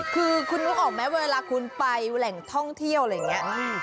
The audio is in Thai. คือคุณนึกออกไหมเวลาคุณไปแหล่งท่องเที่ยวอะไรอย่างนี้